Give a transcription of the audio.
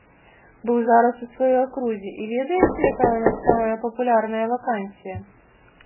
Быў зараз у сваёй акрузе, і ведаеце, якая ў нас самая папулярная вакансія?